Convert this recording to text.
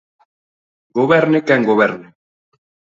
Goberne quen goberne.